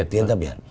tiến ra biển